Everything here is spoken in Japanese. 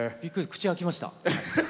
口、開きました。